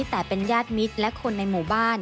แต่เป็นญาติมิตรและคนในหมู่บ้าน